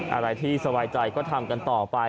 อะไรที่สบายใจก็ทำกันต่อไป